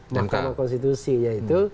mahkamah konstitusi yaitu